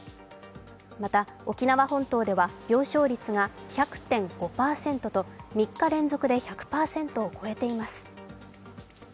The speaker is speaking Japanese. また、沖縄本島では病床率が１００．５％と３日連続で１００％を超えています。